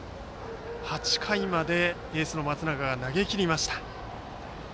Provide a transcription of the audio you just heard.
８回までエースの松永が投げ切りました。